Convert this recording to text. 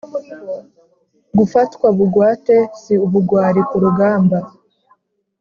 Gufatwa bugwate si ubugwari ku rugamba